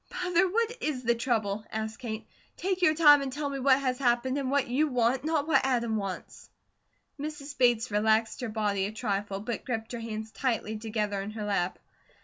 "Mother, what is the trouble?" asked Kate. "Take your time and tell me what has happened, and what YOU want, not what Adam wants." Mrs. Bates relaxed her body a trifle, but gripped her hands tightly together in her lap.